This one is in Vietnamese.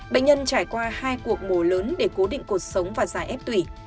bệnh nhân trải qua hai cuộc mổ lớn để cố định cuộc sống và giải ép tùy